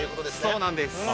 そうなんです。